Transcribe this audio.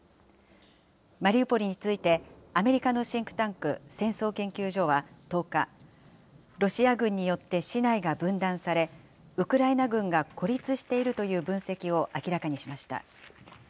マリウポリについて、アメリカのシンクタンク、戦争研究所は１０日、ロシア軍によって市内が分断され、ウクライナ軍が孤立しているという分析を明らかにしました。